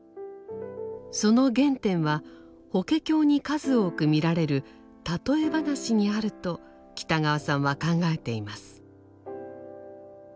その原点は「法華経」に数多く見られる譬え話にあると北川さんは考えています。